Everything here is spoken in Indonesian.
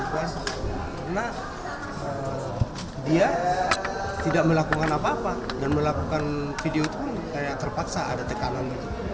karena dia tidak melakukan apa apa dan melakukan video itu pun terpaksa ada tekanan